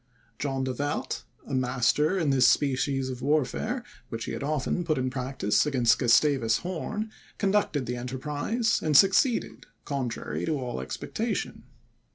John de Werth, a master in this species of warfare, which he had often put in practice against Gustavus Horn, conducted the enterprise, and succeeded, contrary to all expectation.